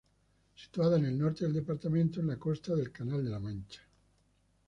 Situada en el norte del departamento, en la costa del Canal de la Mancha.